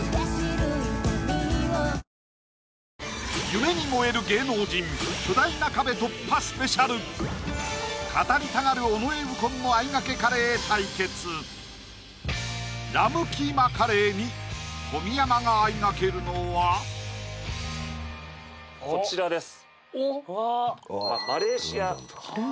夢に燃える芸能人巨大な壁突破ＳＰラムキーマカレーに小宮山があいがけるのはこちらです